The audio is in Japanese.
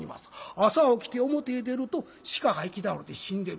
朝起きて表へ出ると鹿が行き倒れて死んでる。